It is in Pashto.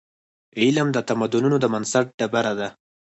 علم د تمدنونو د بنسټ ډبره ده.